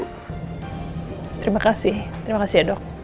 terima kasih terima kasih ya dok